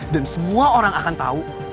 dan semua orang akan tahu